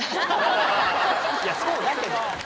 いやそうだけど。